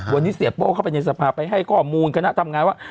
วันนี้เสียโป้เข้าไปในสภาไปให้ข้อมูลคณะทำงานว่า